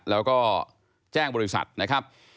แล้วก็แจ้งบริษัทนะครับ